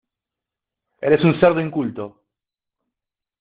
Eres un cerdo inculto.